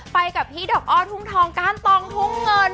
ไปกับพี่ดอกอ้อทุ่งทองก้านตองทุ่งเงิน